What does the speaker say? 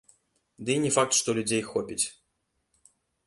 Ды і не факт, што людзей хопіць.